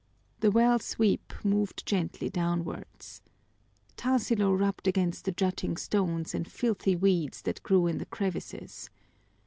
The well sweep moved gently downwards. Tarsilo rubbed against the jutting stones and filthy weeds that grew in the crevices.